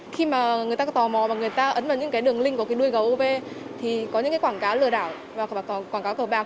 khi mà người ta có tò mò và người ta ấn vào những cái đường link của cái đuôi gấu uv thì có những cái quảng cáo lừa đảo và quảng cáo cờ bạc